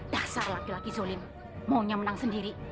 dasar laki laki zolim maunya menang sendiri